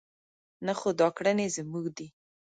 نه خو دا کړنې زموږ دي.